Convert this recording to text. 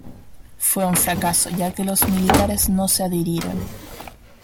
Fue un fracaso ya que los militares no se adhirieron.